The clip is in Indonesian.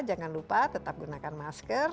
jangan lupa tetap gunakan masker